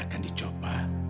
dia akan dicoba